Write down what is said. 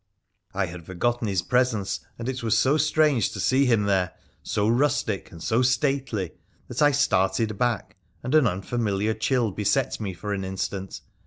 I rilRA THE PIICENICIAN 33* had forgotten his presence, and it was so strange to see him there, so rustic and so stately, that I started back, and an unfamiliar chill beset me for an instant.